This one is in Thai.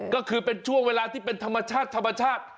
ก็คือเป็นช่วงเวลาที่เป็นธรรมชาติธรรมชาติ